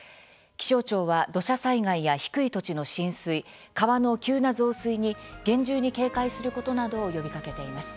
気象庁は土砂災害や低い土地の浸水川の急な増水に厳重に警戒することなどを呼びかけています。